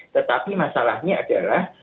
tetapi masalahnya adalah